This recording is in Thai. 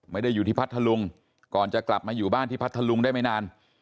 ไม่ได้อยู่ที่พัทธลุงก่อนจะกลับมาอยู่บ้านที่พัทธลุงได้ไม่นาน